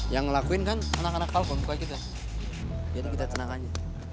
yang ngelakuin kan anak anak falcon bukan kita jadi kita tenang aja